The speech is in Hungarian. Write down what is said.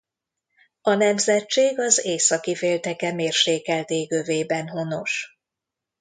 A nemzetség az északi félteke mérsékelt égövében honos.